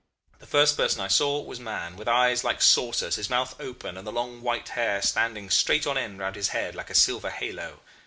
The first person I saw was Mahon, with eyes like saucers, his mouth open, and the long white hair standing straight on end round his head like a silver halo.